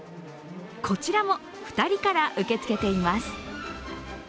こちらも２人から受け付けています。